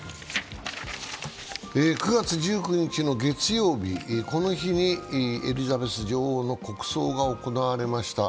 ９月１９日の月曜日、この日にエリザベス女王の国葬が行われました。